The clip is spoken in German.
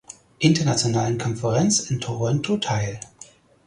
Internationalen Konferenz in Toronto teil.